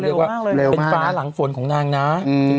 เรียกว่าเป็นฟ้าหลังฝนของนางนะ